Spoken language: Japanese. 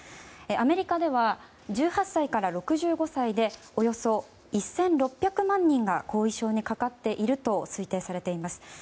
アメリカでは１８歳から６５歳でおよそ１６００万人が後遺症にかかっていると推定されています。